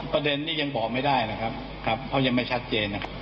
ประเด็นนี้ยังบอกไม่ได้นะครับเขายังไม่ชัดเจนนะครับ